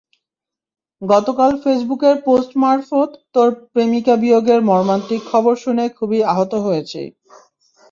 গতকাল ফেসবুকের পোস্ট মারফত তোর প্রেমিকাবিয়োগের মর্মান্তিক খবর শুনে খুবই আহত হয়েছি।